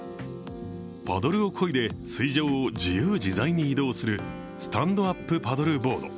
パドルをこいで水上を自由自在に移動するスタンドアップパドルボード